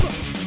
ya udah bang